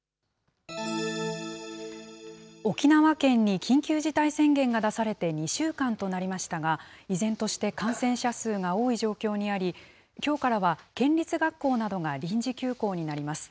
沖縄県に緊急事態宣言が出されて２週間となりましたが、依然として感染者数が多い状況にあり、きょうからは県立学校などが臨時休校になります。